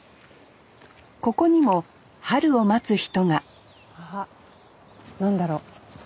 ここにも春を待つ人があっ何だろ。